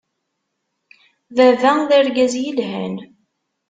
Baba d argaz yelhan.